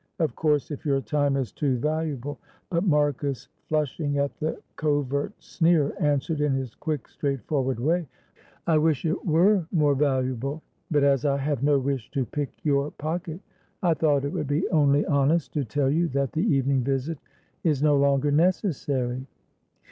"Of course, if your time is too valuable " But Marcus, flushing at the covert sneer, answered, in his quick, straightforward way: "I wish it were more valuable; but as I have no wish to pick your pocket, I thought it would be only honest to tell you that the evening visit is no longer necessary."